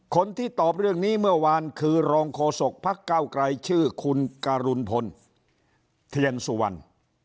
คนที่ตอบเรื่องนี้เมื่อวานคือรองโฆษกภักดิ์เก้าไกรชื่อคุณการุณพลเทียนสุวรรณ